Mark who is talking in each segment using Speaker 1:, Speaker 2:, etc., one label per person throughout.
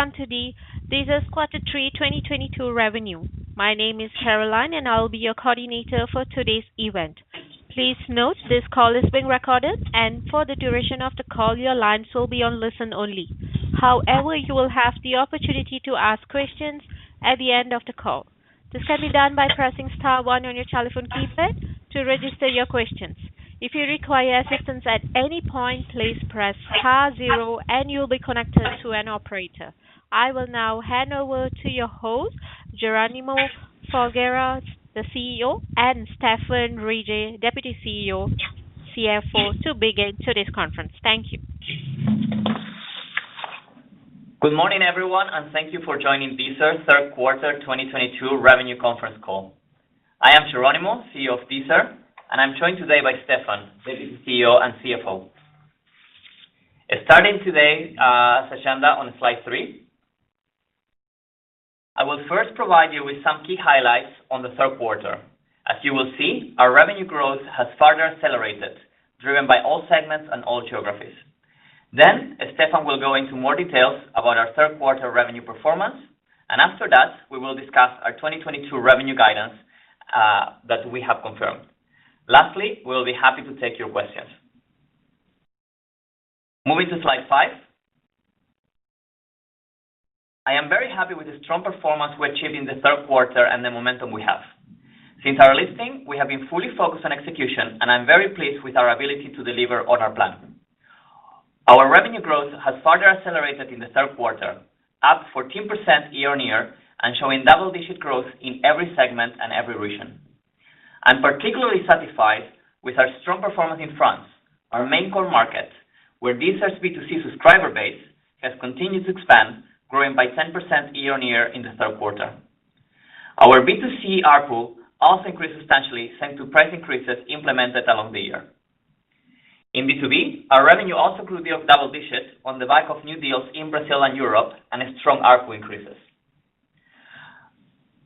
Speaker 1: Welcome to the Deezer Quarter Three 2022 Revenue. My name is Caroline, and I'll be your coordinator for today's event. Please note this call is being recorded, and for the duration of the call, your lines will be on listen only. However, you will have the opportunity to ask questions at the end of the call. This can be done by pressing star one on your telephone keypad to register your questions. If you require assistance at any point, please press star zero and you'll be connected to an operator. I will now hand over to your host, Jeronimo Folgueira, the CEO, and Stéphane Rougeot, Deputy CEO, CFO, to begin today's conference. Thank you.
Speaker 2: Good morning, everyone, and thank you for joining Deezer's Third Quarter 2022 Revenue conference call. I am Jeronimo, CEO of Deezer, and I'm joined today by Stéphane, Deputy CEO and CFO. Starting today, session on slide three. I will first provide you with some key highlights on the third quarter. As you will see, our revenue growth has further accelerated, driven by all segments and all geographies. Then Stéphane will go into more details about our third quarter revenue performance, and after that, we will discuss our 2022 revenue guidance, that we have confirmed. Lastly, we will be happy to take your questions. Moving to slide five. I am very happy with the strong performance we achieved in the third quarter and the momentum we have. Since our listing, we have been fully focused on execution, and I'm very pleased with our ability to deliver on our plan. Our revenue growth has further accelerated in the third quarter, up 14% year-on-year and showing double-digit growth in every segment and every region. I'm particularly satisfied with our strong performance in France, our main core market, where Deezer's B2C subscriber base has continued to expand, growing by 10% year-on-year in the third quarter. Our B2C ARPU also increased substantially, thanks to price increases implemented along the year. In B2B, our revenue also grew double digits on the back of new deals in Brazil and Europe and a strong ARPU increases.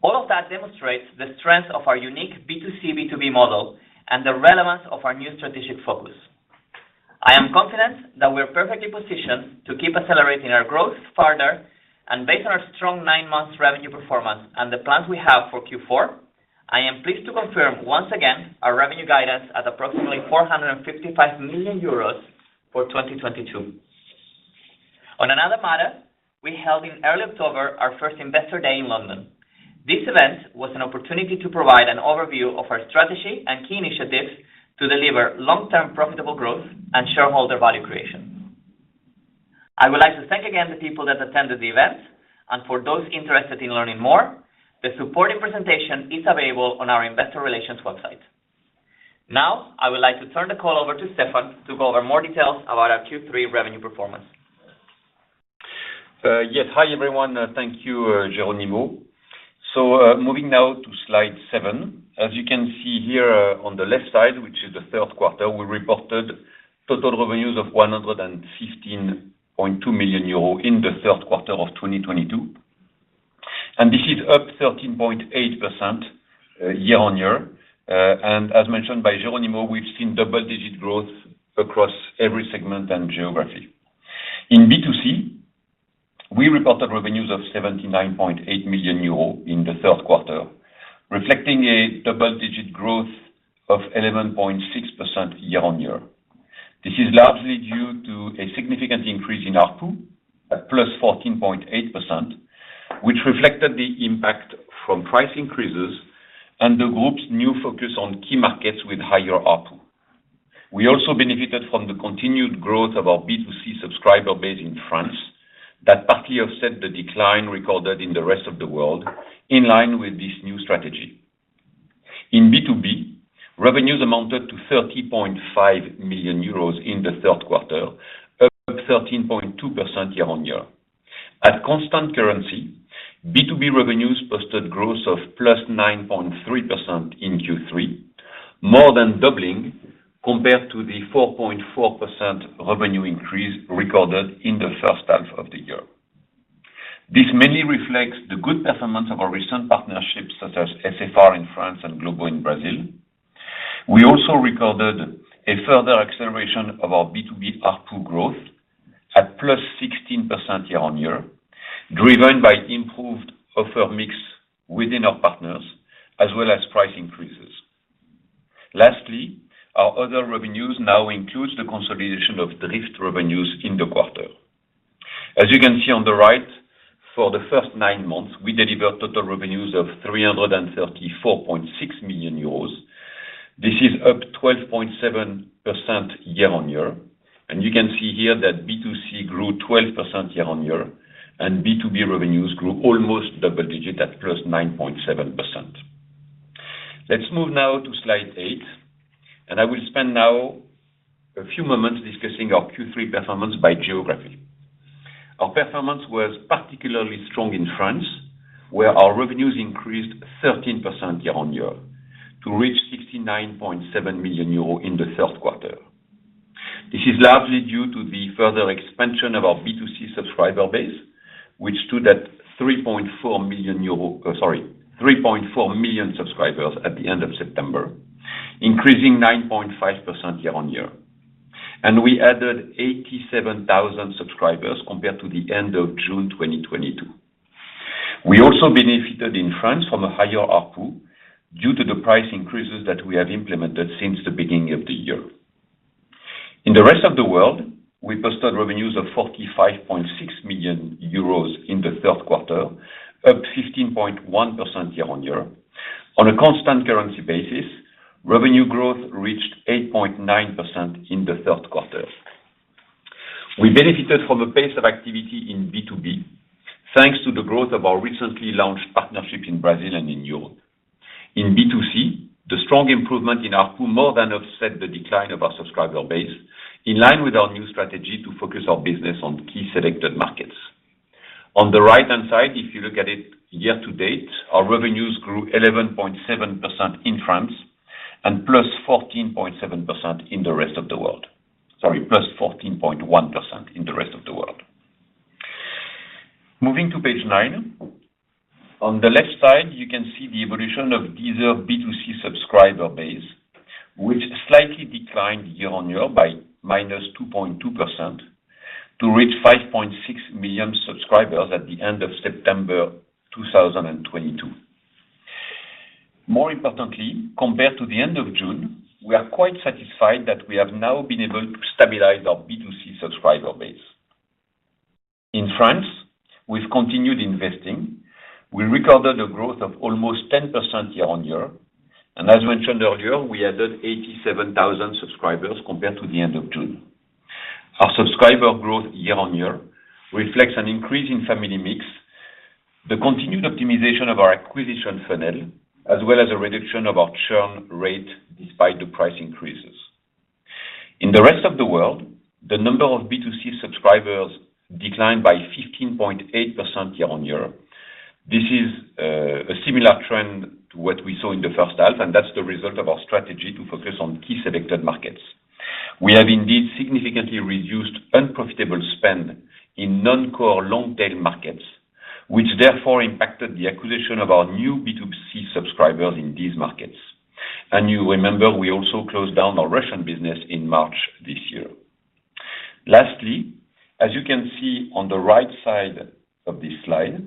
Speaker 2: All of that demonstrates the strength of our unique B2C, B2B model and the relevance of our new strategic focus. I am confident that we're perfectly positioned to keep accelerating our growth further, and based on our strong nine months revenue performance and the plans we have for Q4, I am pleased to confirm once again our revenue guidance at approximately 455 million euros for 2022. On another matter, we held in early October our first Investor Day in London. This event was an opportunity to provide an overview of our strategy and key initiatives to deliver long-term profitable growth and shareholder value creation. I would like to thank again the people that attended the event, and for those interested in learning more, the supporting presentation is available on our investor relations website. Now, I would like to turn the call over to Stéphane to go over more details about our Q3 revenue performance.
Speaker 3: Yes. Hi, everyone. Thank you, Jeronimo. Moving now to slide seven. As you can see here on the left side, which is the third quarter, we reported total revenues of 115.2 million euro in the third quarter of 2022. This is up 13.8% year-on-year. As mentioned by Jeronimo, we've seen double-digit growth across every segment and geography. In B2C, we reported revenues of 79.8 million euros in the third quarter, reflecting a double-digit growth of 11.6% year-on-year. This is largely due to a significant increase in ARPU at +14.8%, which reflected the impact from price increases and the group's new focus on key markets with higher ARPU. We also benefited from the continued growth of our B2C subscriber base in France that partly offset the decline recorded in the rest of the world in line with this new strategy. In B2B, revenues amounted to 30.5 million euros in the third quarter, up 13.2% year-over-year. At constant currency, B2B revenues posted growth of +9.3% in Q3, more than doubling compared to the 4.4% revenue increase recorded in the first half of the year. This mainly reflects the good performance of our recent partnerships such as SFR in France and Globo in Brazil. We also recorded a further acceleration of our B2B ARPU growth at +16% year-over-year, driven by improved offer mix within our partners as well as price increases. Lastly, our other revenues now includes the consolidation of Driift revenues in the quarter. As you can see on the right, for the first nine months, we delivered total revenues of 334.6 million euros. This is up 12.7% year-on-year, and you can see here that B2C grew 12% year-on-year, and B2B revenues grew almost double digit at +9.7%. Let's move now to slide eight, and I will spend now a few moments discussing our Q3 performance by geography. Our performance was particularly strong in France, where our revenues increased 13% year-on-year to reach 69.7 million euro in the third quarter. This is largely due to the further expansion of our B2C subscriber base, which stood at 3.4 million subscribers at the end of September, increasing 9.5% year-on-year. We added 87,000 subscribers compared to the end of June 2022. We also benefited in France from a higher ARPU due to the price increases that we have implemented since the beginning of the year. In the rest of the world, we posted revenues of 45.6 million euros in the third quarter, up 15.1% year-on-year. On a constant currency basis, revenue growth reached 8.9% in the third quarter. We benefited from a pace of activity in B2B, thanks to the growth of our recently launched partnership in Brazil and in Europe. In B2C, the strong improvement in ARPU more than offset the decline of our subscriber base, in line with our new strategy to focus our business on key selected markets. On the right-hand side, if you look at it year-to-date, our revenues grew 11.7% in France and +14.7% in the rest of the world. Sorry, +14.1% in the rest of the world. Moving to page nine. On the left side, you can see the evolution of Deezer B2C subscriber base, which slightly declined year-on-year by -2.2% to reach 5.6 million subscribers at the end of September 2022. More importantly, compared to the end of June, we are quite satisfied that we have now been able to stabilize our B2C subscriber base. In France, we've continued investing. We recorded a growth of almost 10% year-on-year, and as mentioned earlier, we added 87,000 subscribers compared to the end of June. Our subscriber growth year-on-year reflects an increase in family mix, the continued optimization of our acquisition funnel, as well as a reduction of our churn rate despite the price increases. In the rest of the world, the number of B2C subscribers declined by 15.8% year-on-year. This is a similar trend to what we saw in the first half, and that's the result of our strategy to focus on key selected markets. We have indeed significantly reduced unprofitable spend in non-core long-tail markets, which therefore impacted the acquisition of our new B2C subscribers in these markets. You remember, we also closed down our Russian business in March this year. Lastly, as you can see on the right side of this slide,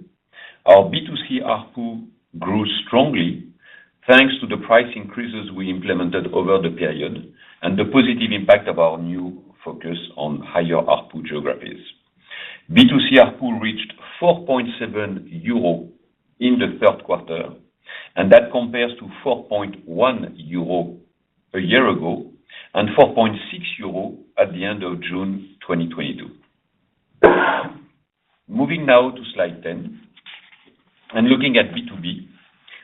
Speaker 3: our B2C ARPU grew strongly, thanks to the price increases we implemented over the period and the positive impact of our new focus on higher ARPU geographies. B2C ARPU reached 4.7 euro in the third quarter, and that compares to 4.1 euro a year ago and 4.6 euro at the end of June 2022. Moving now to slide ten, and looking at B2B,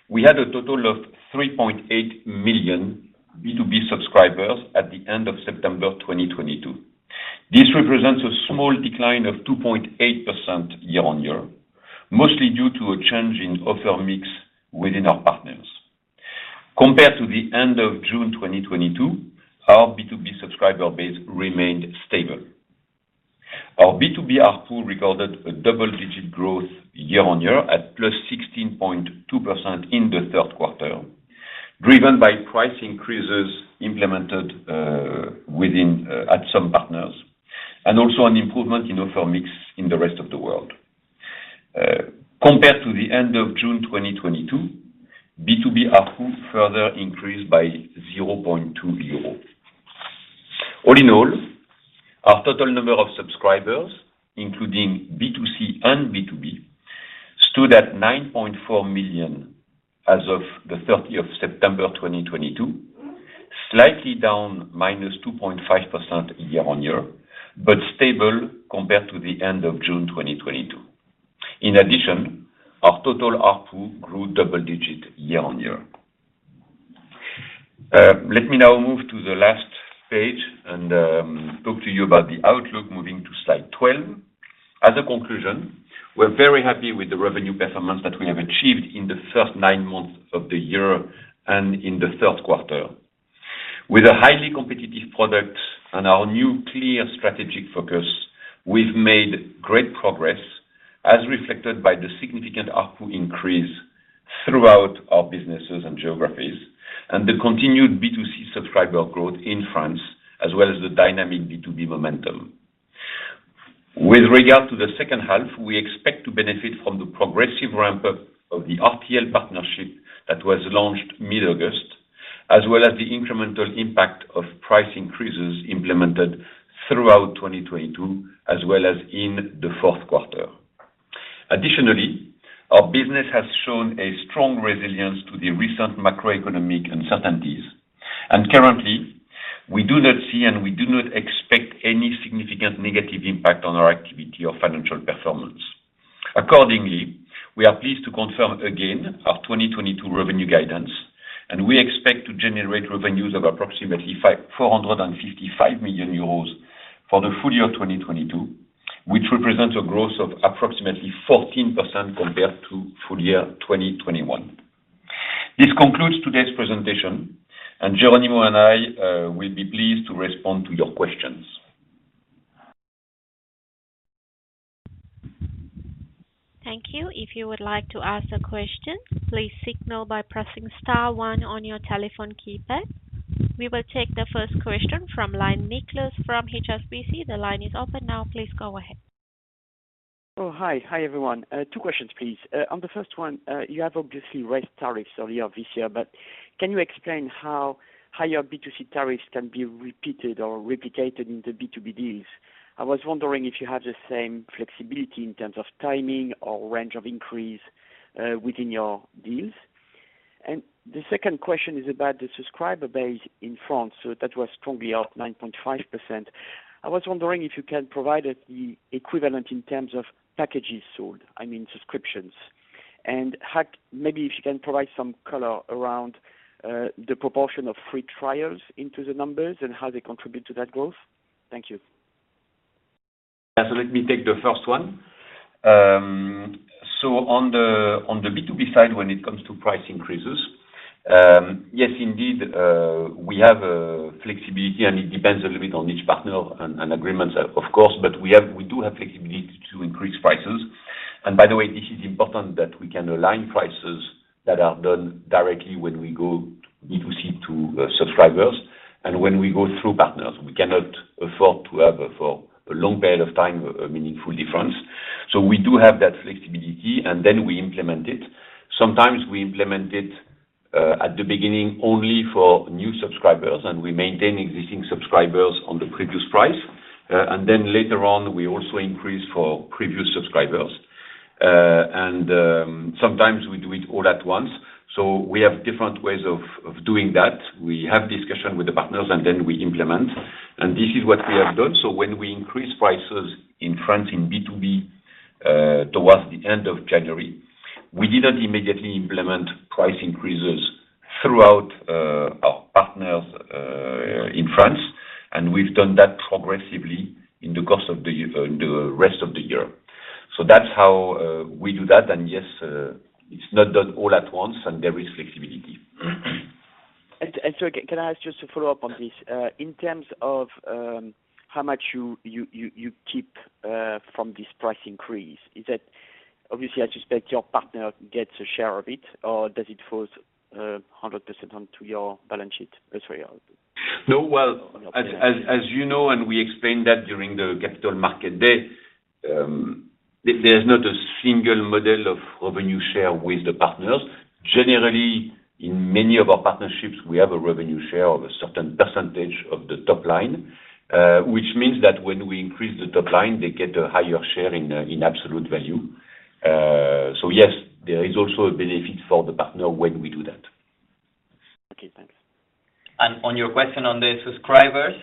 Speaker 3: we had a total of 3.8 million B2B subscribers at the end of September 2022. This represents a small decline of 2.8% year-on-year, mostly due to a change in offer mix within our partners. Compared to the end of June 2022, our B2B subscriber base remained stable. Our B2B ARPU recorded a double-digit growth year-on-year at +16.2% in the third quarter, driven by price increases implemented within at some partners, and also an improvement in offer mix in the rest of the world. Compared to the end of June 2022, B2B ARPU further increased by 0.2 euro. All in all, our total number of subscribers, including B2C and B2B, stood at 9.4 million as of the 13th of September 2022, slightly down -2.5% year-on-year, but stable compared to the end of June 2022. In addition, our total ARPU grew double-digit year-on-year. Let me now move to the last page and talk to you about the outlook, moving to slide 12. As a conclusion, we're very happy with the revenue performance that we have achieved in the first nine months of the year and in the third quarter. With a highly competitive product and our new clear strategic focus, we've made great progress, as reflected by the significant ARPU increase throughout our businesses and geographies, and the continued B2C subscriber growth in France, as well as the dynamic B2B momentum. With regard to the second half, we expect to benefit from the progressive ramp-up of the RTL partnership that was launched mid-August, as well as the incremental impact of price increases implemented throughout 2022, as well as in the fourth quarter. Additionally, our business has shown a strong resilience to the recent macroeconomic uncertainties. Currently, we do not see and we do not expect any significant negative impact on our activity or financial performance. Accordingly, we are pleased to confirm again our 2022 revenue guidance, and we expect to generate revenues of approximately 455 million euros for the Full Year 2022, which represents a growth of approximately 14% compared to full year 2021. This concludes today's presentation, and Jeronimo and I will be pleased to respond to your questions.
Speaker 1: Thank you. If you would like to ask a question, please signal by pressing star one on your telephone keypad. We will take the first question from line, Nicolas from HSBC. The line is open now. Please go ahead.
Speaker 4: Oh, hi. Hi, everyone. Two questions, please. On the first one, you have obviously raised tariffs earlier this year, but can you explain how higher B2C tariffs can be repeated or replicated in the B2B deals? I was wondering if you have the same flexibility in terms of timing or range of increase within your deals. The second question is about the subscriber base in France. That was strongly up 9.5%. I was wondering if you can provide us the equivalent in terms of packages sold. I mean, subscriptions. How maybe if you can provide some color around the proportion of free trials into the numbers and how they contribute to that growth. Thank you.
Speaker 3: Yeah. Let me take the first one. On the B2B side, when it comes to price increases, yes, indeed, we have flexibility, and it depends a little bit on each partner and agreements, of course. We do have flexibility to increase prices. By the way, this is important that we can align prices that are done directly when we go B2C to subscribers and when we go through partners. We cannot afford to have, for a long period of time a meaningful difference. We do have that flexibility, and then we implement it. Sometimes we implement it, at the beginning only for new subscribers, and we maintain existing subscribers on the previous price. Then later on, we also increase for previous subscribers. Sometimes we do it all at once. We have different ways of doing that. We have discussion with the partners, and then we implement. This is what we have done. When we increase prices in France in B2B towards the end of January, we didn't immediately implement price increases throughout our partners in France. We've done that progressively in the course of the year in the rest of the year. That's how we do that. Yes, it's not done all at once, and there is flexibility.
Speaker 4: Can I ask just to follow up on this? In terms of how much you keep from this price increase, is that. Obviously, I suspect your partner gets a share of it, or does it falls 100% onto your balance sheet?
Speaker 3: No, well, as you know, we explained that during the Capital Markets Day, there's not a single model of revenue share with the partners. Generally, in many of our partnerships, we have a revenue share of a certain percentage of the top line, which means that when we increase the top line, they get a higher share in absolute value. Yes, there is also a benefit for the partner when we do that.
Speaker 4: Okay, thanks.
Speaker 3: On your question on the subscribers,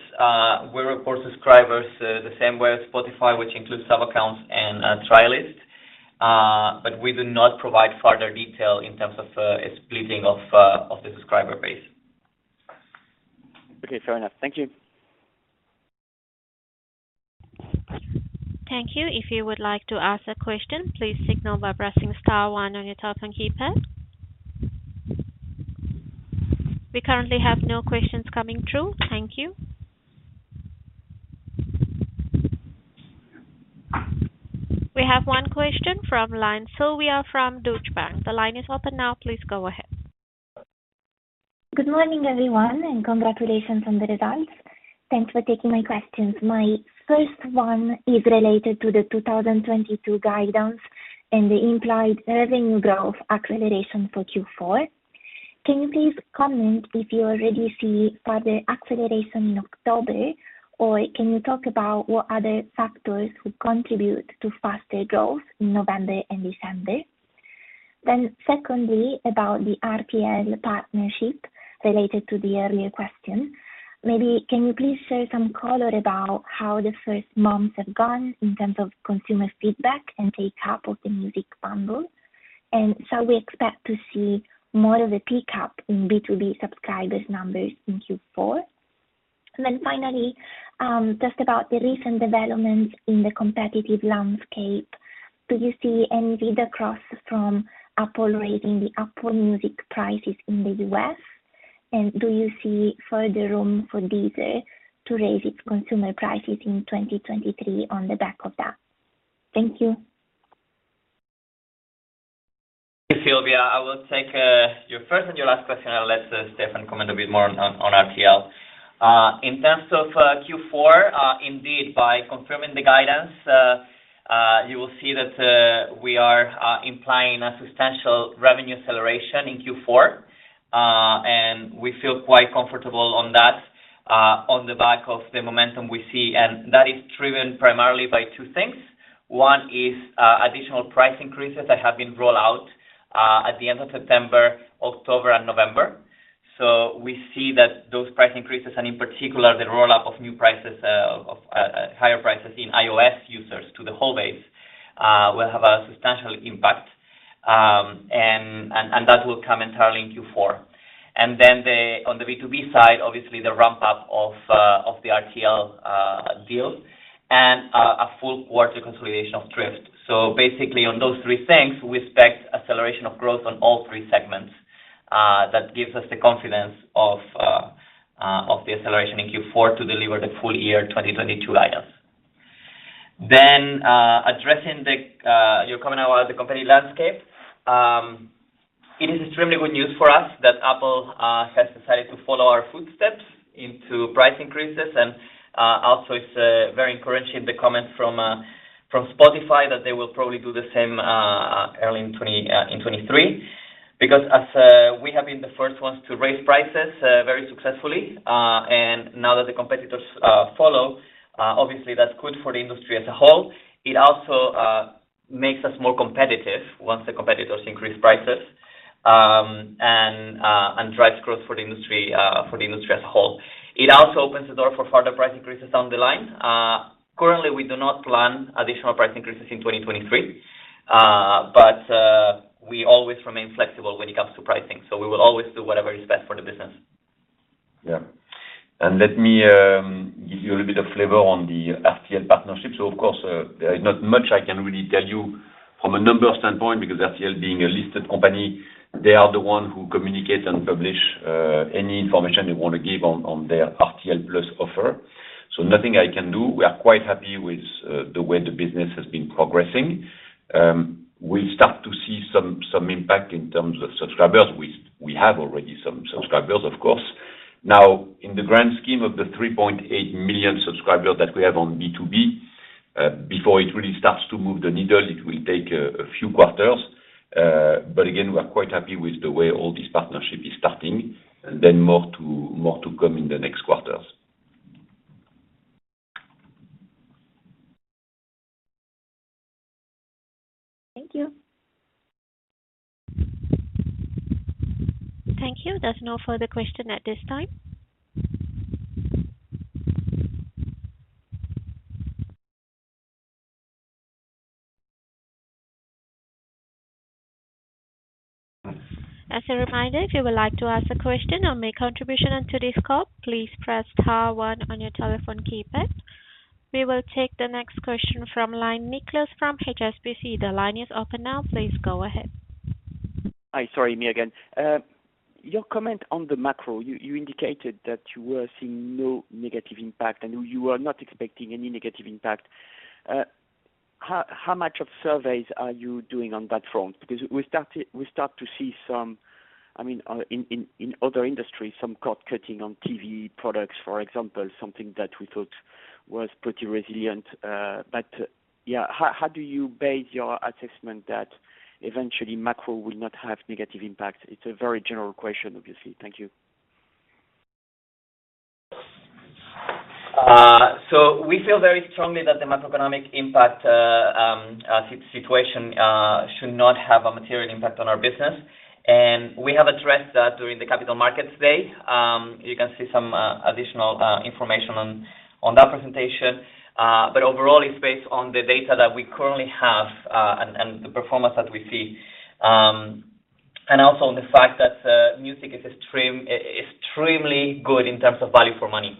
Speaker 3: we report subscribers the same way as Spotify, which includes sub accounts and trialists. We do not provide further detail in terms of splitting of the subscriber base.
Speaker 4: Okay, fair enough. Thank you.
Speaker 1: Thank you. If you would like to ask a question, please signal by pressing star one on your telephone keypad. We currently have no questions coming through. Thank you. We have one question from line. Silvia from Deutsche Bank. The line is open now. Please go ahead.
Speaker 5: Good morning, everyone, and congratulations on the results. Thanks for taking my questions. My first one is related to the 2022 guidance and the implied revenue growth acceleration for Q4. Can you please comment if you already see further acceleration in October? Or can you talk about what other factors would contribute to faster growth in November and December? Secondly, about the RTL partnership related to the earlier question. Maybe can you please share some color about how the first months have gone in terms of consumer feedback and take-up of the music bundle? And shall we expect to see more of a pick up in B2B subscribers numbers in Q4? Finally, just about the recent developments in the competitive landscape. Do you see any read-across from Apple raising the Apple Music prices in the U.S..? Do you see further room for Deezer to raise its consumer prices in 2023 on the back of that? Thank you.
Speaker 2: Thank you, Silvia. I will take your first and your last question. I'll let Stéphane comment a bit more on RTL. In terms of Q4, indeed, by confirming the guidance, you will see that we are implying a substantial revenue acceleration in Q4. We feel quite comfortable on that, on the back of the momentum we see. That is driven primarily by two things. One is additional price increases that have been rolled out at the end of September, October and November. We see that those price increases, and in particular, the roll-up of new prices, of higher prices in iOS users to the whole base, will have a substantial impact. That will come entirely in Q4. On the B2B side, obviously the ramp-up of the RTL deal and a full quarter consolidation of Driift. Basically on those three things, we expect On all three segments, that gives us the confidence of the acceleration in Q4 to deliver the Full Year 2022 items. Then addressing your comment about the company landscape. It is extremely good news for us that Apple has decided to follow our footsteps into price increases, and also it's very encouraging the comment from Spotify that they will probably do the same, early in 2023. Because as we have been the first ones to raise prices, very successfully, and now that the competitors follow, obviously that's good for the industry as a whole. It also makes us more competitive once the competitors increase prices, and drives growth for the industry as a whole. It also opens the door for further price increases down the line. Currently, we do not plan additional price increases in 2023. We always remain flexible when it comes to pricing, so we will always do whatever is best for the business.
Speaker 3: Yeah. Let me give you a little bit of flavor on the RTL partnership. Of course, there is not much I can really tell you from a number standpoint because RTL being a listed company, they are the ones who communicate and publish any information they wanna give on their RTL+ offer. Nothing I can do. We are quite happy with the way the business has been progressing. We start to see some impact in terms of subscribers. We have already some subscribers, of course. Now, in the grand scheme of the 3.8 million subscribers that we have on B2B, before it really starts to move the needle, it will take a few quarters. Again, we're quite happy with the way all this partnership is starting, then more to come in the next quarters.
Speaker 5: Thank you.
Speaker 1: Thank you. There's no further question at this time. As a reminder, if you would like to ask a question or make a contribution to this call, please press star one on your telephone keypad. We will take the next question from line, Nicolas from HSBC. The line is open now. Please go ahead.
Speaker 4: Hi. Sorry, me again. Your comment on the macro, you indicated that you were seeing no negative impact, and you were not expecting any negative impact. How much of surveys are you doing on that front? Because we start to see some, I mean, in other industries, some cost-cutting on TV products, for example, something that we thought was pretty resilient. Yeah, how do you base your assessment that eventually macro will not have negative impact? It's a very general question, obviously. Thank you.
Speaker 2: We feel very strongly that the macroeconomic situation should not have a material impact on our business. We have addressed that during the Capital Markets Day. You can see some additional information on that presentation. Overall, it's based on the data that we currently have, and the performance that we see. Also on the fact that music is extremely good in terms of value for money.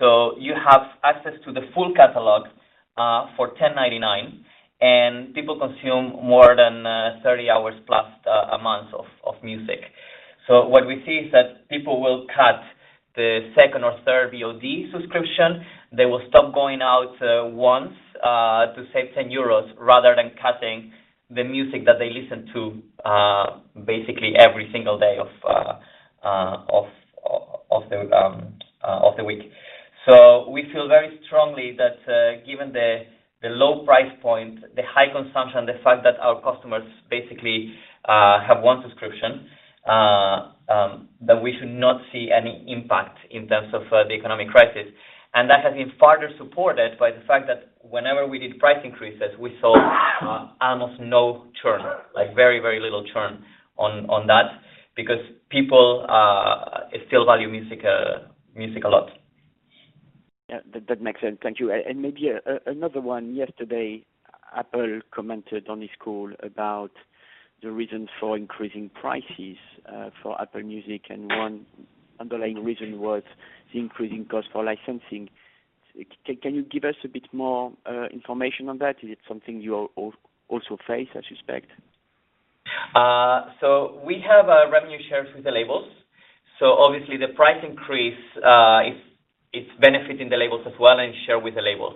Speaker 2: You have access to the full catalog for 10.99, and people consume more than 30 hours plus a month of music. What we see is that people will cut the second or third VOD subscription. They will stop going out once to save 10 euros rather than cutting the music that they listen to basically every single day of the week. We feel very strongly that given the low price point, the high consumption, the fact that our customers basically have one subscription that we should not see any impact in terms of the economic crisis. That has been further supported by the fact that whenever we did price increases, we saw almost no churn, like very, very little churn on that because people still value music a lot.
Speaker 4: Yeah, that makes sense. Thank you. Maybe another one. Yesterday, Apple commented on this call about the reasons for increasing prices for Apple Music, and one underlying reason was the increasing cost for licensing. Can you give us a bit more information on that? Is it something you also face, I suspect?
Speaker 2: We have a revenue share with the labels. Obviously the price increase, it's benefiting the labels as well and shared with the labels.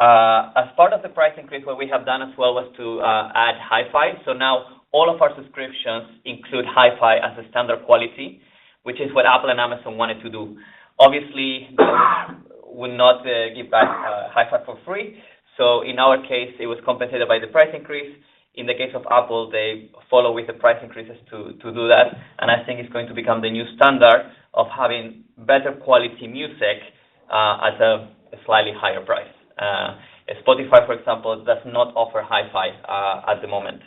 Speaker 2: As part of the price increase, what we have done as well was to add Hi-Fi. Now all of our subscriptions include Hi-Fi as a standard quality, which is what Apple and Amazon wanted to do. Obviously, they would not give back Hi-Fi for free. In our case, it was compensated by the price increase. In the case of Apple, they follow with the price increases to do that. I think it's going to become the new standard of having better quality music at a slightly higher price. Spotify, for example, does not offer Hi-Fi at the moment.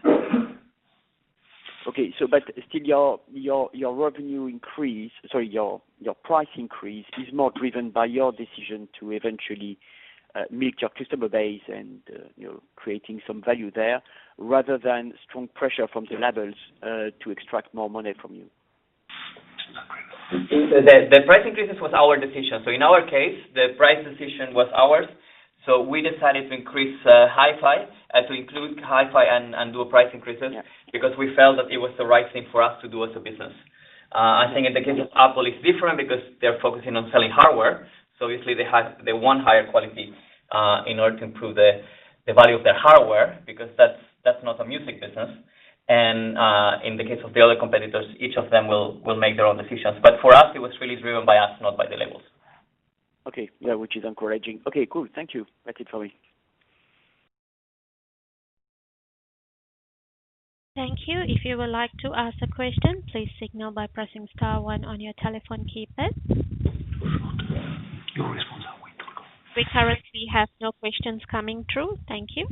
Speaker 4: Still your price increase is more driven by your decision to eventually milk your customer base and, you know, creating some value there rather than strong pressure from the labels to extract more money from you.
Speaker 2: The price increases was our decision. In our case, the price decision was ours. We decided to increase Hi-Fi to include Hi-Fi and do price increases.
Speaker 4: Yeah.
Speaker 2: Because we felt that it was the right thing for us to do as a business. I think in the case of Apple, it's different because they're focusing on selling hardware, so obviously they want higher quality in order to improve the value of their hardware because that's not a music business. In the case of the other competitors, each of them will make their own decisions. For us, it was really driven by us, not by the labels.
Speaker 4: Okay. Yeah, which is encouraging. Okay, cool. Thank you. That's it for me.
Speaker 1: Thank you. If you would like to ask a question, please signal by pressing star one on your telephone keypad. We currently have no questions coming through. Thank you.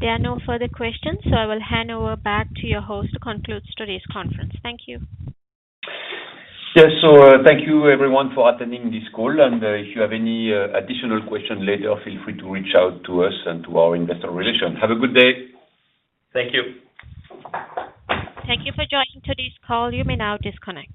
Speaker 1: There are no further questions, so I will hand over back to your host to conclude today's conference. Thank you.
Speaker 3: Yes. Thank you everyone for attending this call, and if you have any additional question later, feel free to reach out to us and to our investor relation. Have a good day.
Speaker 2: Thank you.
Speaker 1: Thank you for joining today's call. You may now disconnect.